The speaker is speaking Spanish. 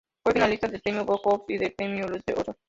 Fue finalista del Premio Bob Cousy y del Premio Lute Olson.